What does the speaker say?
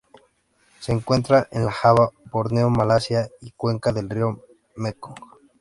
Se encuentra en la Java, Borneo, Malasia y la cuenca del río Mekong.